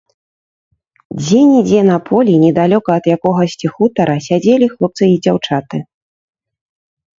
Дзе-нідзе на полі недалёка ад якогасьці хутара сядзелі хлопцы і дзяўчаты.